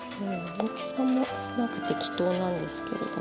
大きさもなんか適当なんですけれども。